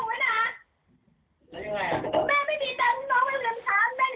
แม่อยากจะตื่นทานที่ไหนแม่จะดูคนนี้